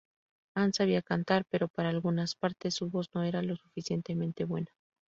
Ann sabía cantar, pero para algunas partes su voz no era lo suficientemente buena.